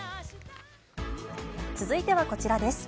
続いてはこちらです。